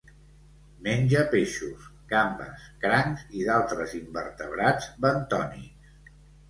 Menja peixos, gambes, crancs i d'altres invertebrats bentònics.